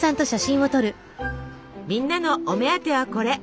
みんなのお目当てはこれ。